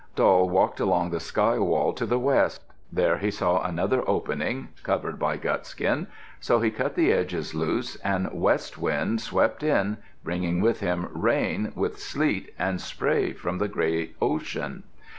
Doll walked along the sky wall to the west. There he saw another opening, covered by gut skin. So he cut the edges loose, and West Wind swept in, bringing with him rain, with sleet and spray from the gray ocean.